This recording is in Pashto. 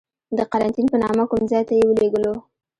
د قرنتین په نامه کوم ځای ته یې ولیږلو.